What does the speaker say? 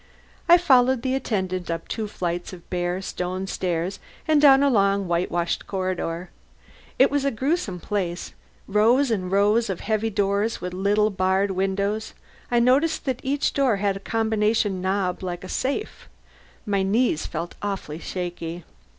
I followed the attendant up two flights of bare, stone stairs, and down a long, whitewashed corridor. It was a gruesome place; rows and rows of heavy doors with little, barred windows. I noticed that each door had a combination knob, like a safe. My knees felt awfully shaky.